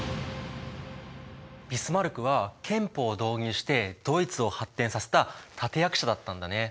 ビスマルクは憲法を導入してドイツを発展させた立て役者だったんだね。